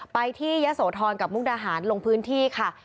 ไปที่ยะโสธรกับมุกดาหารลงพื้นที่ค่ะ